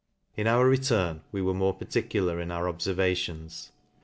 In our return we were more particular in our obfervations.